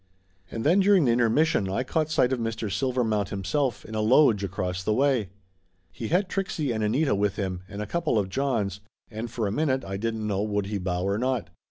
And then during the intermission I caught sight of Mr. Silvermount himself in a loge across the way. He had Trixie and Anita with him and a couple of Johns, and for a minute I didn't know would he bow or not.